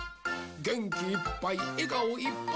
げんきいっぱいえがおいっぱい